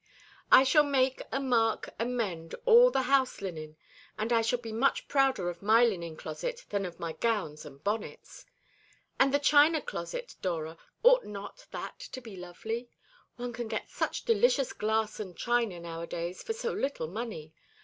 I shall make and mark and mend all the house linen; and I shall be much prouder of my linen closet than of my gowns and bonnets. And the china closet, Dora, ought not that to be lovely? One can get such delicious glass and china nowadays for so little money.